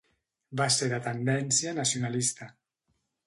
Va ser de tendència nacionalista.